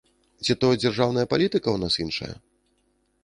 Ці то дзяржаўная палітыка ў нас іншая?